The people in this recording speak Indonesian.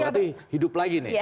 berarti hidup lagi nih